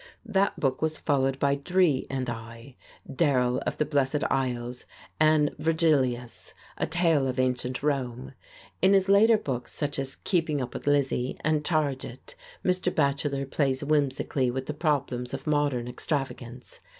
That book was followed by "D'ri and I," "Darrel of the Blessed Isles," and "Vergilius," a tale of ancient Rome. In his later books, such as "Keeping Up With Lizzie" and "Charge It," Mr. Bacheller plays whimsically with the problems of modern extravagance.